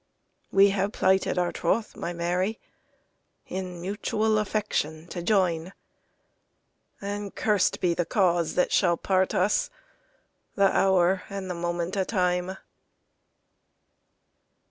We hae plighted our troth, my Mary, In mutual affection to join; And curst be the cause that shall part us! The hour and the moment o' time!